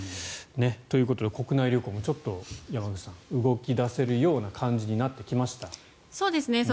ということで国内旅行も動き出せるような感じになってきました。